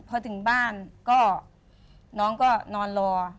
พอถึงบ้านก็น้องก็นอนรอ